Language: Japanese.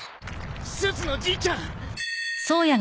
すずのじいちゃん！